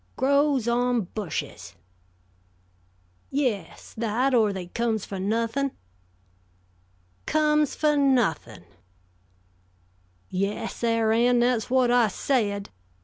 "Grows on bushes!" "Yes, or that they comes for nuthin'?" "Comes for nuthin'!" "Yes, Sar' Ann, that's whut I said.